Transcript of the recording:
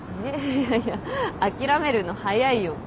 いやいや諦めるの早いよ。